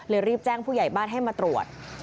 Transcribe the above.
รีบแจ้งผู้ใหญ่บ้านให้มาตรวจ